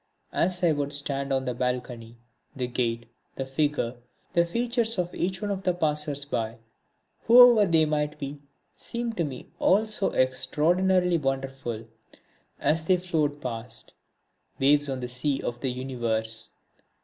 As I would stand on the balcony, the gait, the figure, the features of each one of the passers by, whoever they might be, seemed to me all so extraordinarily wonderful, as they flowed past, waves on the sea of the universe.